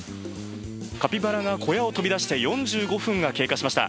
カピバラが小屋を飛び出して４５分がたちました。